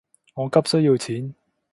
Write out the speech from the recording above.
我急需要錢